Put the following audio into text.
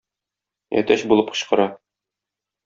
Әтәч булып кычкыра.